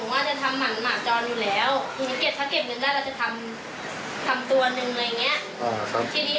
มันไม่ยอมให้จับเราก็เลยทำมันไม่ได้